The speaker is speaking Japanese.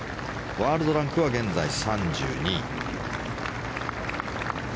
ワールドランクは現在３２位。